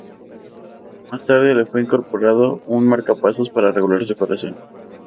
Más tarde le fue incorporado un marcapasos para regular su corazón.